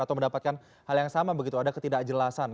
atau mendapatkan hal yang sama begitu ada ketidakjelasan